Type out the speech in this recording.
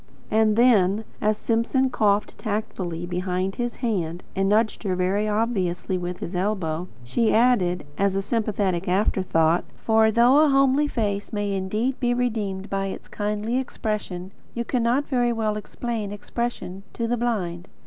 And then, as Simpson coughed tactfully behind his hand, and nudged her very obviously with his elbow, she added, as a sympathetic after thought: "For, though a homey face may indeed be redeemed by its kindly expression, you cannot very well explain expression to the blind."